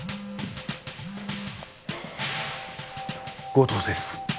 後藤です